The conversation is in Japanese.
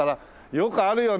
よくあるよね。